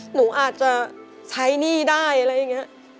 หนูอาจจะใช้หนี้ได้อะไรอย่างนี้